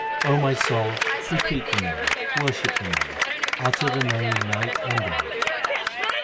O my soul, repeat the Name, worship the Name, utter the Name night and day.